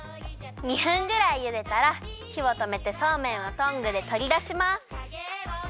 ２分ぐらいゆでたらひをとめてそうめんをトングでとりだします。